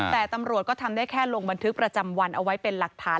แต่ตำรวจก็ทำได้แค่ลงบันทึกประจำวันเอาไว้เป็นหลักฐาน